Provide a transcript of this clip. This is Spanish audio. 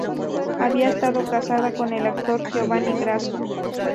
Había estado casada con el actor Giovanni Grasso.